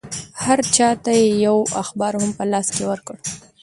هر چا ته یې یو اخبار هم په لاس کې ورکړ.